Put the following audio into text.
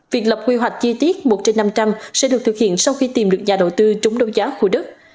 việc lập quy hoạch chi tiết một trên năm trăm linh sẽ được thực hiện sau khi tìm được nhà đầu tư trúng đấu giá khu đất